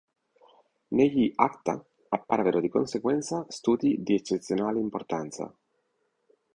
Negli "Acta" apparvero di conseguenza studi di eccezionale importanza.